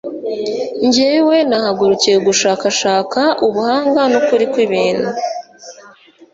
jyewe nahagurukiye gushakashaka ubuhanga n'ukuri kw'ibintu